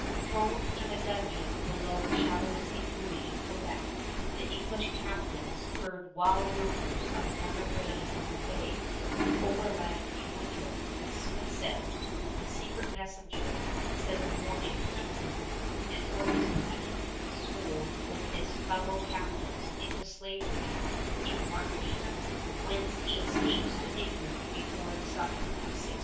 Thrown in a dungeon below Château St. Louis, Quebec, the English captives hear wild rumors of another raid on the bay, overland in winter; and Smithsend, by secret messenger, sends warning to England, and for his pains is sold with his fellow captives into slavery in Martinique, whence he escapes to England before the summer of 1686.